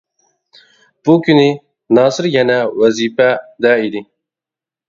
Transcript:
بۇ كۈنى ناسىر يەنە «ۋەزىپە» دە ئىدى.